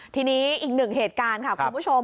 ทีนี้อีกหนึ่งเหตุการณ์ค่ะคุณผู้ชม